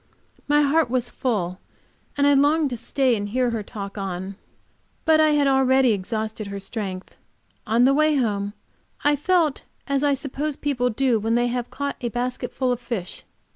My heart was full, and I longed to stay and hear her talk on. But I had already exhausted her strength. On the way home I felt as I suppose people do when they have caught a basketful of fish.